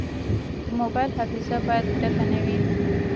د موبایل حافظه باید ډکه نه وي.